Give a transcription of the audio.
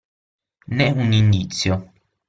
Nè un indizio.